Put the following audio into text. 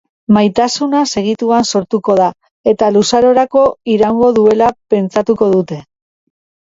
Maitasuna segituan sortuko da, eta luzarorako iraungo duela pentsatuko dute.